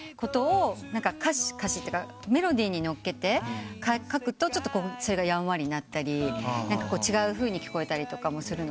歌詞っていうかメロディーに乗っけて書くとそれがやんわりになったり違うふうに聞こえたりとか。